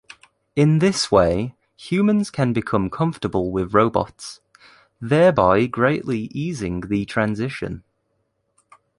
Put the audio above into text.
In this way, humans can become comfortable with robots, thereby greatly easing the transition.